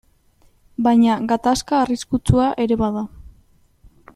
Baina gatazka arriskutsua ere bada.